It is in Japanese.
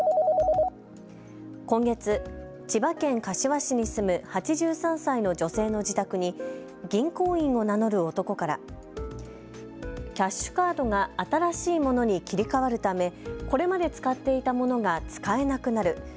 今月、千葉県柏市に住む８３歳の女性の自宅に銀行員を名乗る男からキャッシュカードが新しいものに切り替わるため、これまで使っていたものが使えなくなる。